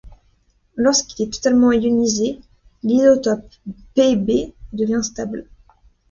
Lorsqu'il est totalement ionisé, l'isotope Pb devient stable.